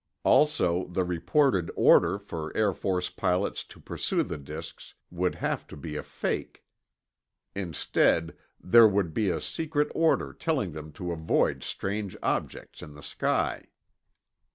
Also, the reported order for Air Force pilots to pursue the disks would have to be a fake. Instead, there would be a secret order telling them to avoid strange objects in the sky.